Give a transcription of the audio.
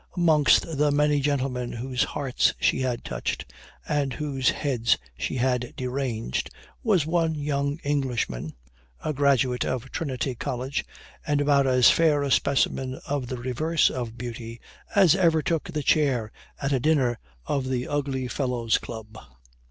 Amongst the many gentlemen whose hearts she had touched, and whose heads she had deranged, was one young Englishman, a graduate of Trinity College, and about as fair a specimen of the reverse of beauty as ever took the chair at a dinner of the Ugly Fellows' Club.